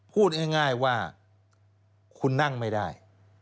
พูดง่ายว่าคุณนั่งไม่ได้